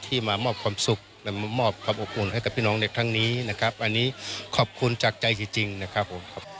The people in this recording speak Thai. มามอบความสุขและมอบความอบอุ่นให้กับพี่น้องเด็กทั้งนี้นะครับอันนี้ขอบคุณจากใจจริงนะครับผมครับ